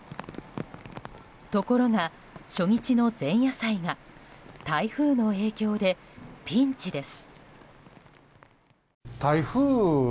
ところが、初日の前夜祭が台風の影響でピンチです。